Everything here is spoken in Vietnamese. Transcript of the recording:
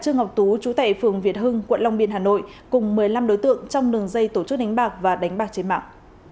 ngọc tú chú tệ phường việt hưng quận long biên hà nội cùng một mươi năm đối tượng trong đường dây tổ chức đánh bạc và đánh bạc trên mạng